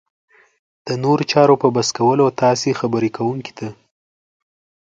د نورو چارو په بس کولو تاسې خبرې کوونکي ته